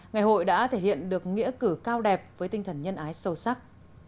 ngày hội đã thể hiện được nghĩa cử cao đẹp với tinh thần nhân ái sâu sắc